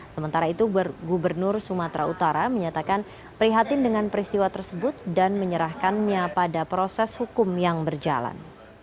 sementara itu gubernur sumatera utara menyatakan prihatin dengan peristiwa tersebut dan menyerahkannya pada proses hukum yang berjalan